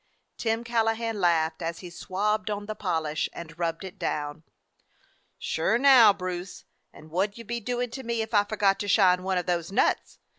Tim Callahan laughed, as he swabbed on the polish and rubbed it down: "Sure now, Bruce, and what 'd you be doing to me if I forgot to shine one of those nuts?